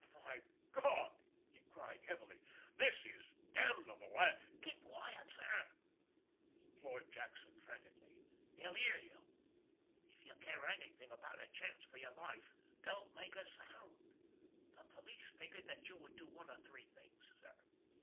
"My God!" he cried heavily. "This is damnable! I——" "Keep quiet, sir!" implored Jackson frantically. "They'll hear you! If you care anything about a chance for your life, don't make a sound. The police figured that you would do one of three things, sir.